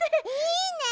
いいね！